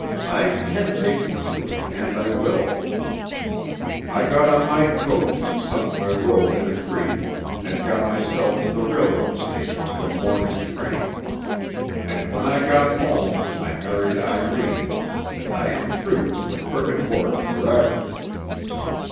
I can take you to it, and I will. "I got on my coat and sunk my robe in a creek, and got myself to the railroad station for a morning train. And when I got home I married Irene, and I am through with the crooked work forever.